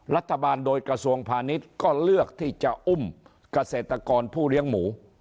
รัฐบาลโดยกระทรวงพาณิชย์ก็เลือกที่จะอุ้มเกษตรกรผู้เลี้ยงหมู